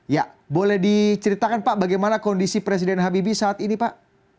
ya boleh diceritakan pak bagaimana kondisi presiden habibie saat ini pak